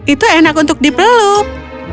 itu enak untuk dipeluk